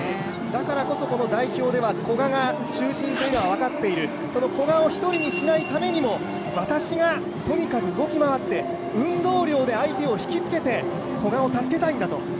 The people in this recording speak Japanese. だからこそこの代表では古賀が中心というのは分かっている、その古賀を１人にしないためにも私がとにかく動き回って運動量で相手を引き付けて古賀を助けたいんだと。